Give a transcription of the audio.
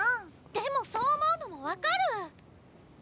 でもそう思うのも分かる！